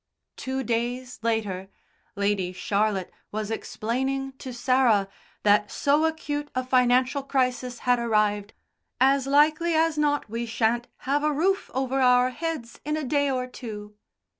Two days later Lady Charlotte was explaining to Sarah that so acute a financial crisis had arrived "as likely as not we shan't have a roof over our heads in a day or two."